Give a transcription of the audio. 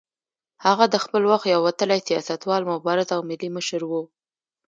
هغه د خپل وخت یو وتلی سیاستوال، مبارز او ملي مشر و.